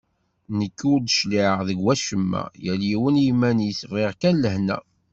Nekk ur d-cliɛeɣ deg wacemma, yal yiwen i yiman-is, bɣiɣ kan lehna.